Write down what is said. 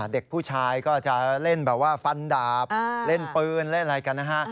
เด็กผู้ชายก็จะเล่นแบบว่าฟันดาบเล่นปืนเล่นอะไรกันนะฮะ